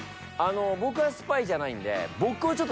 僕はスパイじゃないんで。